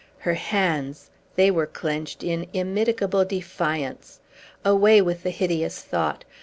Her hands! They were clenched in immitigable defiance. Away with the hideous thought.